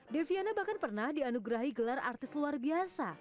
deviana bahkan pernah dianugerahi gelar artis luar biasa